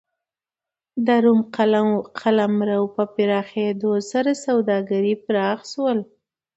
د روم قلمرو په پراخېدو سره سوداګري پراخ شول